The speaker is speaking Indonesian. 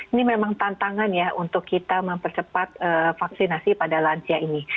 ini memang tantangan ya untuk kita mempercepat vaksinasi pada lansia ini